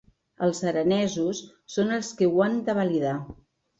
Els aranesos són els que ho han de validar